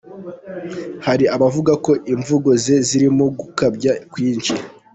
Hari abavuga ko imvugo ze zirimo gukabya kwinshi.